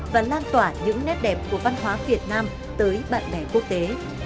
và lan tỏa những nét đẹp của văn hóa việt nam tới bạn bè quốc tế